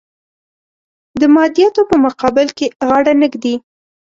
د مادیاتو په مقابل کې غاړه نه ږدي.